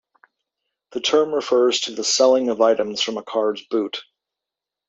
The term refers to the selling of items from a car's boot.